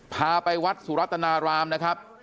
พาไปวัดสุรัตนารามนะครับ